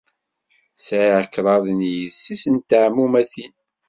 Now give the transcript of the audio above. Sɛiɣ kraḍt n yessi-s n teɛmumatin.